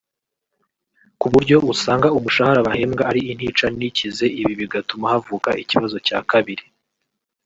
kuburyo usanga umushahara bahembwa ari intica ntikize ibi bigatuma havuka ikibazo cya kabiri